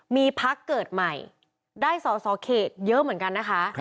มีพักเกิดใหม่ได้สอสอเขตเยอะเหมือนกันนะคะ